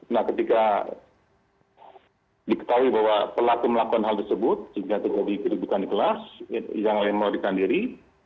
nah ketika diketahui bahwa pelaku melakukan hal tersebut juga dikeribukan di kelas yang lain melakukan diri